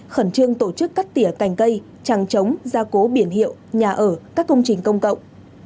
khẩn trương tổ chức cắt tỉa cành cây trằng trống gia cố biển hiệu nhà ở các công trình công cộng